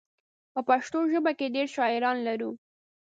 په پښتو ژبه کې ډېر شاعران لرو.